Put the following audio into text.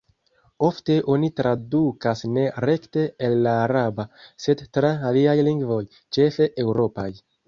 Ofte oni tradukas ne rekte el la araba, sed tra aliaj lingvoj, ĉefe eŭropaj.